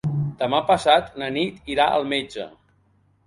Demà passat na Nit irà al metge.